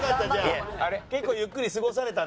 結構ゆっくり過ごされたんだ。